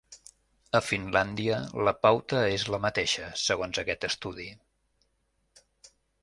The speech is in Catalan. A Finlàndia la pauta és la mateixa, segons aquest estudi.